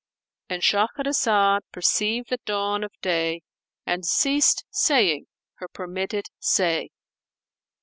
"—And Shahrazad perceived the dawn of day and ceased saying her permitted say.